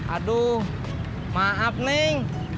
aduh maaf neng